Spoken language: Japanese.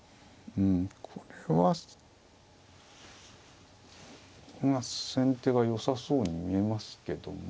うんこれは先手がよさそうに見えますけども。